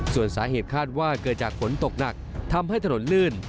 ส่วนสาเหตุคาดว่าเกิดจากฝนตกหนักทำให้ถนนลื่น